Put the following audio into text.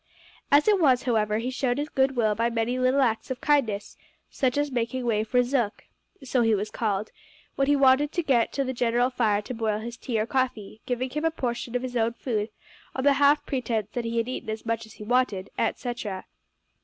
As it was, however, he showed his goodwill by many little acts of kindness such as making way for Zook so he was called when he wanted to get to the general fire to boil his tea or coffee; giving him a portion of his own food on the half pretence that he had eaten as much as he wanted, etcetera.